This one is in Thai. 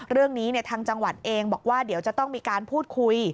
เรื่องนี้ทางจังหวัดเองบอกว่าเดี๋ยวจะต้องมีการพูดคุย